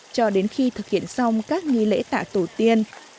cho đến khi thực hiện xong các nghi lễ tạ tổ tiên